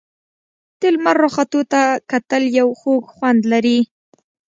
د لمر راختو ته کتل یو خوږ خوند لري.